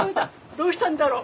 どうしたんだろう？